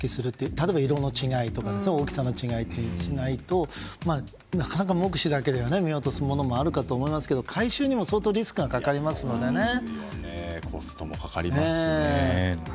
例えば色の違いとか大きさの違いというふうにしないとなかなか目視だけでは見落とすものもあるかと思いますが回収にも相当コストもかかりますしね。